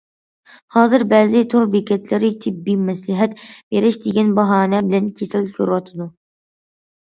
ھازىر بەزى تور بېكەتلىرى تېببىي مەسلىھەت بېرىش دېگەن باھانە بىلەن كېسەل كۆرۈۋاتىدۇ.